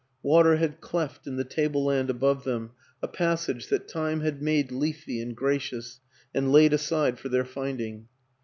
Water had cleft in the table land above them a passage that time had made leafy and gracious and laid aside for their finding.